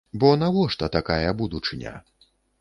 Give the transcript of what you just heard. Бо навошта такая будучыня?